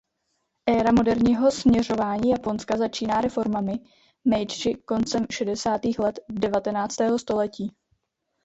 Éra moderního směřování Japonska začíná reformami Meidži koncem šedesátých let devatenáctého století.